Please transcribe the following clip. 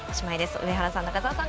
上原さん、中澤さん